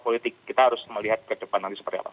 politik kita harus melihat ke depan nanti seperti apa